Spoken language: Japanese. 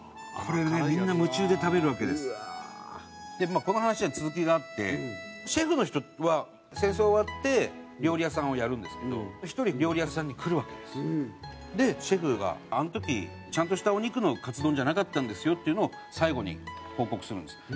まあこの話には続きがあってシェフの人は戦争終わって料理屋さんをやるんですけど１人料理屋さんに来るわけですよ。でシェフが「あの時ちゃんとしたお肉のカツ丼じゃなかったんですよ」っていうのを最後に報告するんですよ。